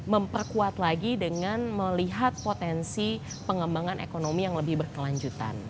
memperkuat lagi dengan melihat potensi pengembangan ekonomi yang lebih berkelanjutan